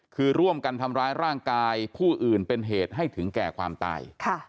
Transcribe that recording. คือร่วมกันทำร้ายร่างกายผู้อื่นเป็นเหตุให้ถึงแก่ความตาย